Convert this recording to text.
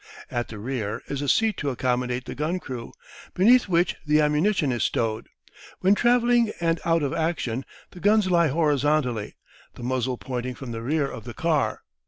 At the rear is a seat to accommodate the gun crew, beneath which the ammunition is stowed. When travelling and out of action, the gun lies horizontally, the muzzle pointing from the rear of the car.